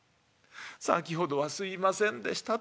先ほどはすいませんでした。